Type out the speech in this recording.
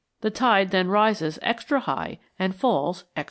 The tide then rises extra high and falls extra low.